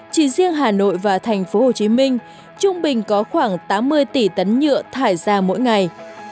chỉ riêng hà nội và thành phố hồ chí minh trung bình có khoảng tám mươi tỷ tấn nhựa thải ra mỗi ngày